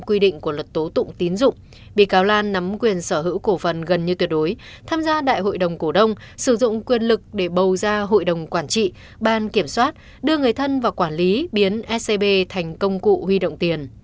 quy định của luật tố tụng tín dụng bị cáo lan nắm quyền sở hữu cổ phần gần như tuyệt đối tham gia đại hội đồng cổ đông sử dụng quyền lực để bầu ra hội đồng quản trị ban kiểm soát đưa người thân vào quản lý biến scb thành công cụ huy động tiền